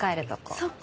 そっか。